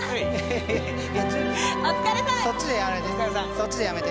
そっちでやめて。